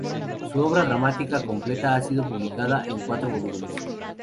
Su obra dramática completa ha sido publicada en cuatro volúmenes.